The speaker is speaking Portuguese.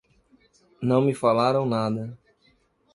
Não me falaram nada.